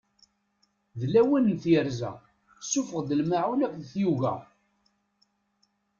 D lawan n tyerza, suffeɣ-d lmaɛun akked tyuga!